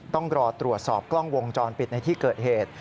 ต้องรอตรวจสอบกล้องวงจรปิดในที่เกิดเหตุ